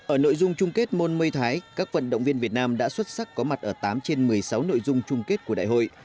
ở nội dung chung kết môn mây thái các vận động viên việt nam đã xuất sắc có mặt ở tám trên một mươi sáu nội dung chung kết của đại hội